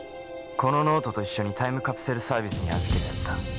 このノートと一緒にタイムカプセルサービスに預けてあった。